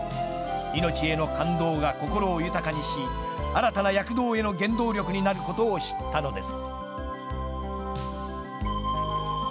命への感動が心を豊かにし新たな躍動への原動力になることを知ったのです。